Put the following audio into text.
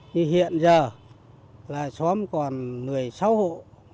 nhưng hiện giờ là xóm còn một mươi sáu hộ